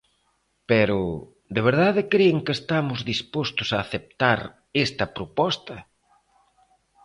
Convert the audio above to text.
Pero ¿de verdade cren que estamos dispostos a aceptar esta proposta?